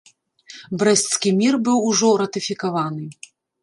Брэсцкі мір быў ужо ратыфікаваны.